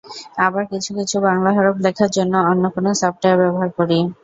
আবার কিছু কিছু বাংলা হরফ লেখার জন্য অন্য কোনো সফটওয়্যার ব্যবহার করি।